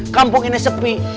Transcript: kampung ini sepi